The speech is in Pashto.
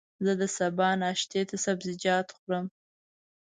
زه د سبا ناشتې ته سبزيجات خورم.